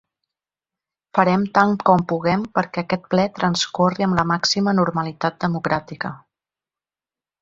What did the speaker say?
Farem tant com puguem perquè aquest ple transcorri amb la màxima normalitat democràtica.